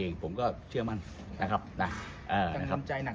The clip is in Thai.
มองว่าเป็นการสกัดท่านหรือเปล่าครับเพราะว่าท่านก็อยู่ในตำแหน่งรองพอด้วยในช่วงนี้นะครับ